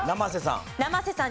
生瀬さん。